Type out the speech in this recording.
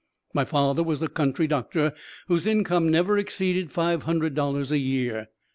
My father was a country doctor, whose income never exceeded five hundred dollars a year.